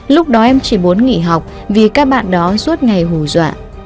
lúc đó em chỉ muốn nghỉ học vì các bạn đó suốt ngày hù dọa